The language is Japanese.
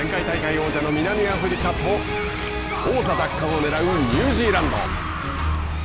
前回大会王者の南アフリカと王座奪還をねらうニュージーランド。